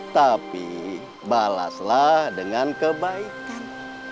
tapi balaslah dengan kebaikan